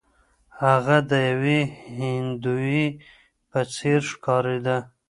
هغه د یوې هندوې په څیر ښکاریده.